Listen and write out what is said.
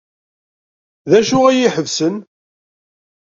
D acu ay iyi-iḥebsen?